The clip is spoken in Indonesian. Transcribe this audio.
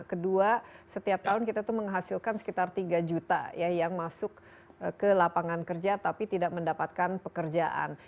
kedua setiap tahun kita itu menghasilkan sekitar tiga juta ya yang masuk ke lapangan kerja tapi tidak mendapatkan pekerjaan